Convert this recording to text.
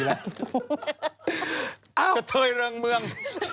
เก้าเท้ยเรืองเมือง